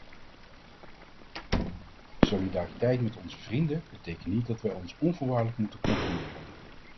Solidariteit met onze vrienden betekent niet dat wij ons onvoorwaardelijk moeten conformeren.